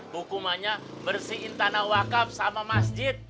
hukumannya bersihin tanah wakaf sama masjid